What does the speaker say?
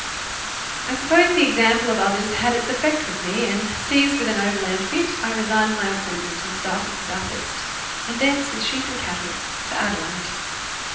I suppose the example of others had its effect with me, and, seized with an overland fit, I resigned my appointment and started for Bathurst, and thence with sheep and cattle to Adelaide.